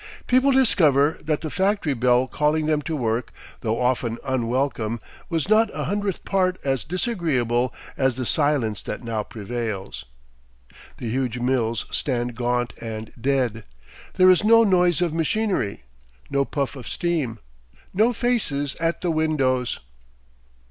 People discover that the factory bell calling them to work, though often unwelcome, was not a hundredth part as disagreeable as the silence that now prevails. The huge mills stand gaunt and dead; there is no noise of machinery, no puff of steam, no faces at the windows.